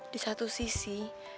di satu sisi